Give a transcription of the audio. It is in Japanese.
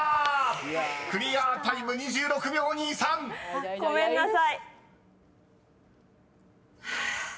［クリアタイム２６秒２３］ごめんなさい。